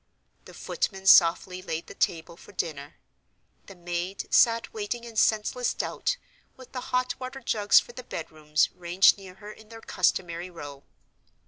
The footman softly laid the table for dinner. The maid sat waiting in senseless doubt, with the hot water jugs for the bedrooms ranged near her in their customary row.